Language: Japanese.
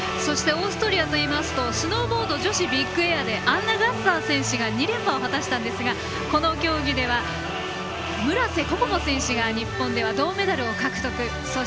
オーストリアといいますとスノーボード女子ビッグエアでアンナ・ガッサー選手が２連覇を果たしたんですがこの競技では村瀬心椛選手が日本では銅メダルを獲得。